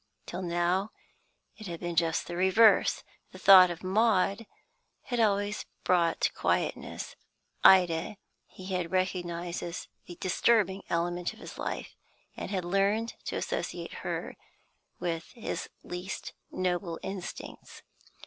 Till now, it had been just the reverse; the thought of Maud had always brought quietness; Ida he had recognised as the disturbing element of his life, and had learned to associate her with his least noble instincts.